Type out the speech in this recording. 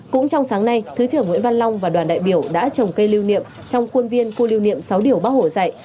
cũng trong sáng nay thứ trưởng nguyễn văn long và đoàn đại biểu đã trồng cây lưu niệm trong khuôn viên khu lưu niệm sáu điều bác hồ dạy